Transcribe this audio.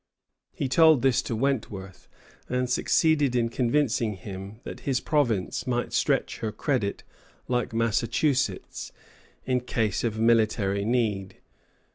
He told this to Wentworth, and succeeded in convincing him that his province might stretch her credit like Massachusetts, in case of similar military need.